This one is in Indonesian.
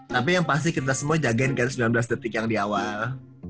tapi yang pasti kita semua jagain catch sembilan belas detik yang diawal